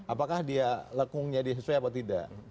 apakah dia lekungnya dia sesuai atau tidak